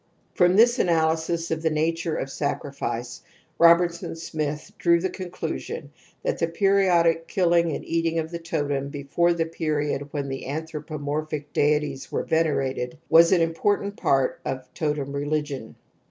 From this analysis of the nature of sacrifice Robertson Smith drew the conclusion that the periodic kilUng and eating of the totem before the period when the anthropomorphic deities were venerated was an important part of totem religion.